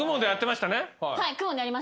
はい。